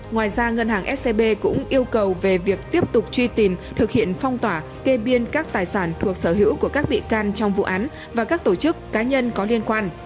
ngoài ra ngân hàng scb cũng yêu cầu về việc tiếp tục truy tìm thực hiện phong tỏa kê biên các tài sản thuộc sở hữu của các bị can trong vụ án và các tổ chức cá nhân có liên quan